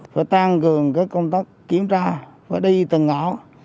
phải tăng cường công tác kiểm tra phải đi từng ngõ